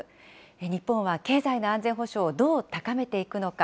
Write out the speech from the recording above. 日本は経済の安全保障をどう高めていくのか。